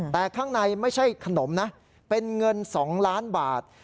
แต่ข้างในไม่ใช่ขนมนะเป็นเงิน๒ล้านบาท